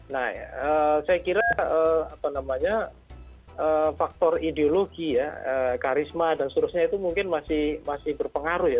nah saya kira apa namanya faktor ideologi ya karisma dan sebagainya itu mungkin masih masih berpengaruh ya